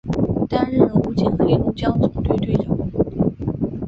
担任武警黑龙江总队队长。